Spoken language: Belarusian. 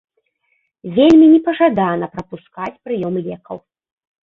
Вельмі непажадана прапускаць прыём лекаў.